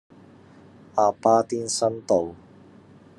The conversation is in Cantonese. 鴨巴甸新道